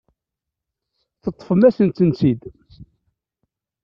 Teṭṭfem-asent-tent-id.